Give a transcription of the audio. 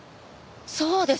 そうです！